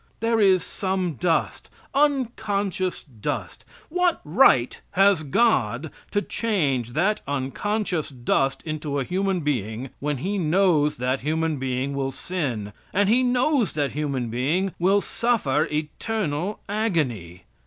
There is some dust. Unconscious dust! What right has God to change that unconscious dust into a human being, when He knows that human being will sin; and He knows that human being will suffer eternal agony?